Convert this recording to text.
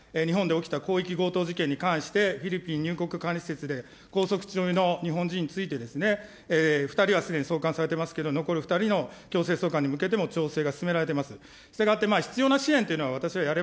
フィリピンは安全保障上、重要な国であって、そして、両国政府の間では今、日本で起きた広域強盗事件に関して、フィリピン入国管理施設で拘束中の日本人について、２人はすでに送還されてますけど、残る２人の強制送還に向けての調整が進められています。